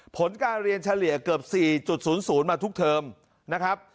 ผลการเรียนเฉลี่ยเกือบ๔๐๐มาทุกเทอมนะครับ